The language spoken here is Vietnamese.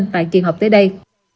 tại kỳ họp tới đây